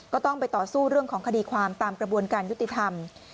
ก็ต้องไปต่อสู้เรื่องของคดีความตามกระบวนการยุติธรรม